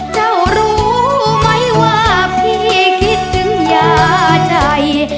เจ้ารู้ไหมว่าพี่คิดถึงยาใจ